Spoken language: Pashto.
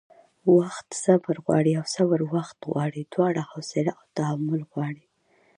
وخت صبر غواړي او صبر وخت غواړي؛ دواړه حوصله او تحمل غواړي